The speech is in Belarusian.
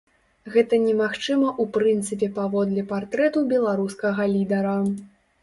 Гэта немагчыма ў прынцыпе паводле партрэту беларускага лідара.